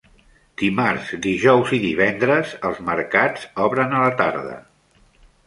Dimarts, dijous i divendres els mercats obren a la tarda.